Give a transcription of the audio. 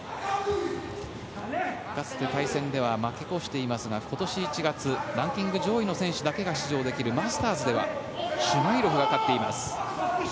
かつて対戦では負け越していますが今年１月、ランキング上位の選手だけが出場できるマスターズではシュマイロフが勝っています。